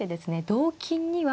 同金には。